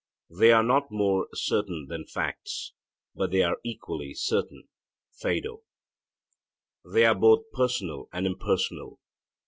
They are not more certain than facts, but they are equally certain (Phaedo). They are both personal and impersonal.